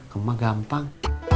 ke emak gampang